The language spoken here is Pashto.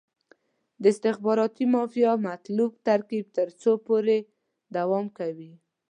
د استخباراتي مافیا مطلوب ترکیب تر څو پورې دوام کوي.